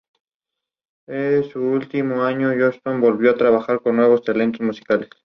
Fue enterrado en el cementerio de Laurel Hill, en Filadelfia.